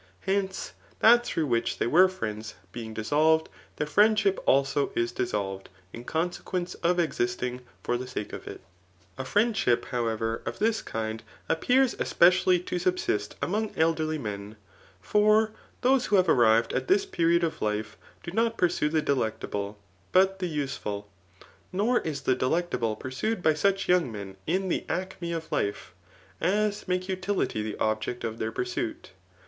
Hoice, that through which they were friends being dissolved, their friendship also is dis solved, in consequence of existing for th^ sake of it. A friendship, however, of this kind, appears especially to subdst among elderly men ; for those who have arrived at this period of life, do not pursue the delectable, but the useful ; nor is the delectable pursued by such young men in the acme of life, as make utility the object of their pursuit.